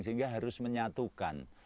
sehingga harus menyatukan